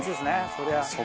そりゃ。